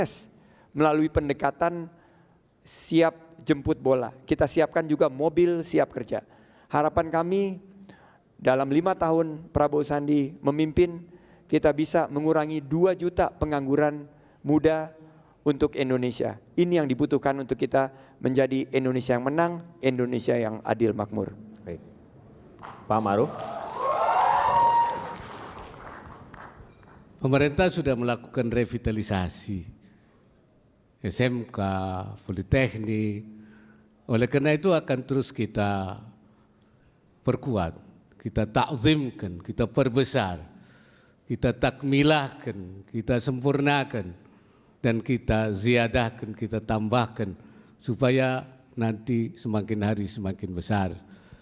smk politeknik oleh karena itu akan terus kita perkuat kita takzimkan kita perbesar kita takmilahkan kita sempurnakan dan kita ziadahkan kita tambahkan supaya nanti semakin hari semakin besar